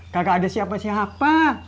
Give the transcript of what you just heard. kagak ada siapa siapa